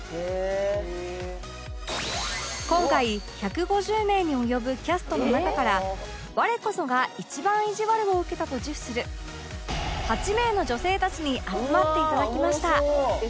今回１５０名に及ぶキャストの中から我こそが一番いじわるを受けたと自負する８名の女性たちに集まって頂きました